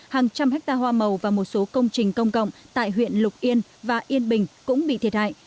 hàng trăm hectare hoa màu và một số công trình công cộng tại huyện lục yên và yên bình cũng bị thiệt hại